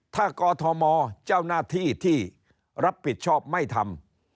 ถ้ากอทมเจ้าหน้าที่ที่รับผิดชอบไม่ทำ